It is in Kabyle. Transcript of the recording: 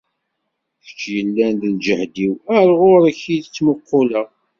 Kečč yellan d lǧehd-iw, ar ɣur-k i ttmuquleɣ.